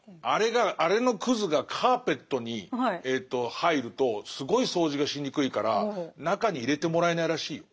あれのくずがカーペットに入るとすごい掃除がしにくいから中に入れてもらえないらしいよ。